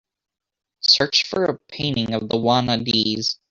search for a painting of The Wannadies